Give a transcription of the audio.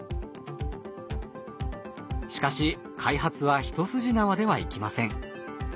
しかし開発は一筋縄ではいきません。